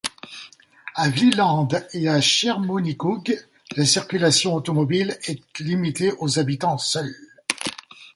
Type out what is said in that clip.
À Vlieland et à Schiermonnikoog, la circulation automobile est limitée aux habitants seuls.